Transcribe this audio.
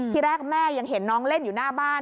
ที่แรกแม่ยังเห็นน้องเล่นอยู่หน้าบ้าน